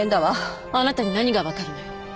あなたに何が分かるのよ？